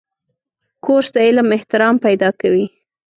کورس د علم احترام پیدا کوي.